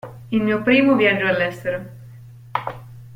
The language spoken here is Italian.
Il mio primo viaggio all'estero.